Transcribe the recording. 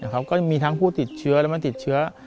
ก็มีทั้งผู้ติดเชื้อและไม่ติดเชื้อ